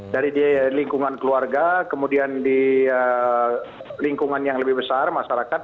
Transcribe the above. dari di lingkungan keluarga kemudian di lingkungan yang lebih besar masyarakat